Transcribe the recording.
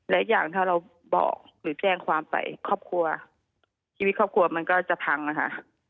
และอย่างถ้าเราบอกหรือแจ้งความไปครอบครัวชีวิตครอบครัวมันก็จะพังนะคะ